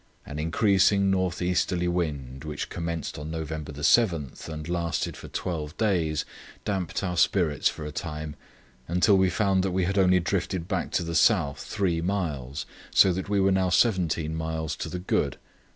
An increasing north easterly wind, which commenced on November 7 and lasted for twelve days, damped our spirits for a time, until we found that we had only drifted back to the south three miles, so that we were now seventeen miles to the good.